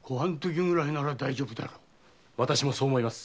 私もそう思います。